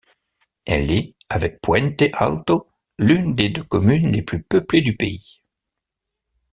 Elle est, avec Puente Alto, l'une des deux communes les plus peuplées du pays.